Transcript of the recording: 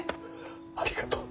ありがとう。